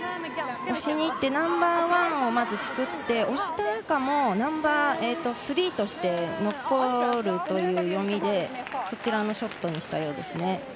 押しに行ってナンバーワンをまず作って押した赤もナンバースリーとしての残るという読みでそちらのショットにしたようです。